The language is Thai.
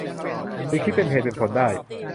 หรือคิดเป็นเหตุเป็นผลได้